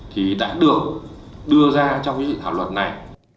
thì đã được đưa ra trong cái dự thảo luật này